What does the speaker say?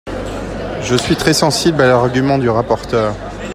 Je suis très sensible à l’argument du rapporteur.